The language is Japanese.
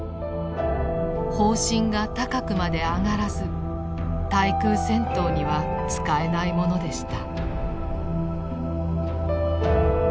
砲身が高くまで上がらず対空戦闘には使えないものでした。